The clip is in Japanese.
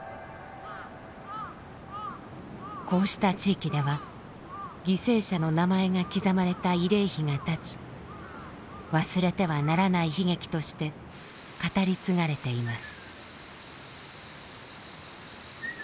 こうした地域では犠牲者の名前が刻まれた慰霊碑が立ち忘れてはならない悲劇として語り継がれています。